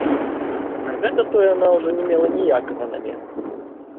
На гэта то яна ўжо не мела ніякага намеру.